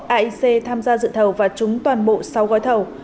aic tham gia dự thầu và trúng toàn bộ sáu gói thầu